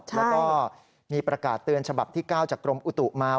แล้วก็มีประกาศเตือนฉบับที่๙จากกรมอุตุมา